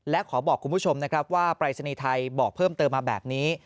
และขอบอกคุณผู้ชมนะครับว่าปรายศนีย์ไทยบอกเพิ่มเติมมาแบบนี้